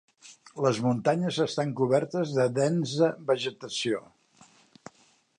Les muntanyes estan cobertes de densa vegetació.